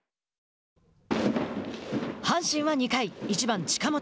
阪神は２回、１番近本。